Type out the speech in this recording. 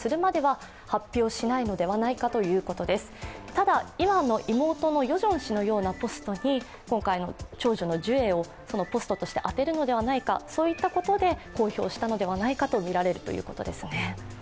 ただいまの妹のヨジョン氏のようなポストに今回の長女のジュエをポストとして充てるのではないか、そういったことで公表したのではないかとみられるということです。